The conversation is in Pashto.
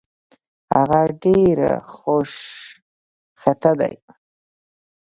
هغه ډېرې خوشخطه دي